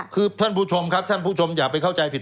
คือท่านผู้ชมครับท่านผู้ชมอย่าไปเข้าใจผิด